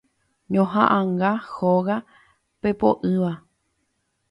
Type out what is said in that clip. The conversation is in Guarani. Ñohaʼãnga Hóga Pepoʼỹva.